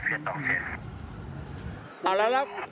เอาแล้วแล้ว